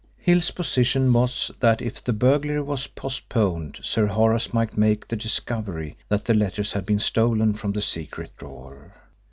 Hill's position was that if the burglary was postponed Sir Horace might make the discovery that the letters had been stolen from the secret drawer.